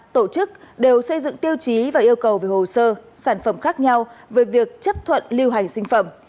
tổ chức đều xây dựng tiêu chí và yêu cầu về hồ sơ sản phẩm khác nhau về việc chấp thuận lưu hành sinh phẩm